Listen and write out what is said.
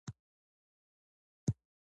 هغې یو وخت په کراچۍ کې څه ستونزه لرله.